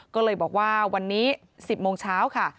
ก็เลยบอกว่าวันนี้๑๐โมงเช้าค่ะ